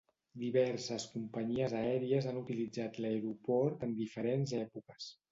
Diverses companyies aèries han utilitzat l'aeroport en diferents èpoques.